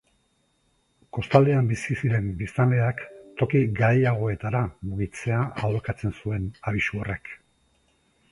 Kostaldean bizi ziren biztanleak toki garaiagoetara mugitzea aholkatzen zuen abisu horrek.